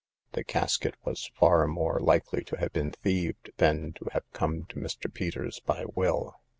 The casket was far more likely to have been thieved than to have come to Mr. Peters by will.